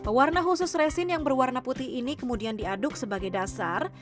pewarna khusus resin yang berwarna putih ini kemudian diaduk ke dalam kubur